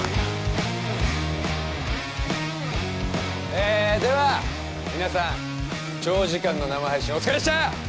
えっでは皆さん長時間の生配信お疲れっした！